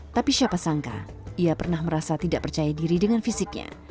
tapi siapa sangka ia pernah merasa tidak percaya diri dengan fisiknya